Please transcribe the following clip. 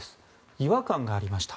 違和感がありました。